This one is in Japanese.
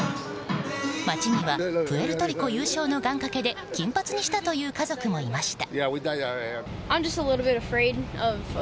街にはプエルトリコ優勝の願掛けで金髪にしたという家族もいました。